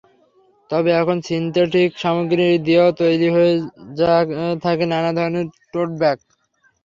তবে এখন সিনথেটিক সামগ্রী দিয়েও তৈরি হয়ে থাকে নানা ধরনের টোট ব্যাগ।